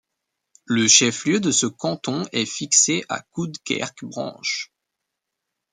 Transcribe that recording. Le chef-lieu de ce canton est fixé à Coudekerque-Branche.